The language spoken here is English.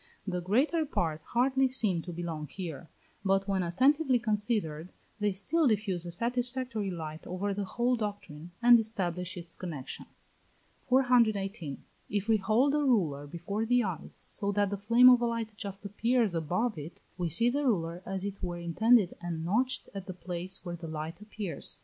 The greater part hardly seem to belong here, but, when attentively considered, they still diffuse a satisfactory light over the whole doctrine, and establish its connexion. 418. If we hold a ruler before the eyes so that the flame of a light just appears above it, we see the ruler as it were indented and notched at the place where the light appears.